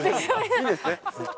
いいんですね。